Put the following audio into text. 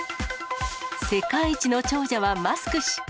世界一の長者はマスク氏。